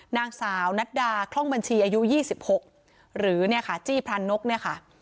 นางสาวนัดดาคล่องบัญชีอายุ๒๖หรือจี้พลานกนะคะ